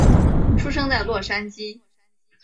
出生在洛杉矶。